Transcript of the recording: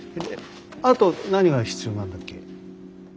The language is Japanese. あと何が必要なんだっけ？